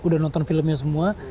udah nonton filmnya semua